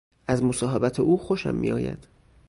از مصاحبت او خوشم می آید.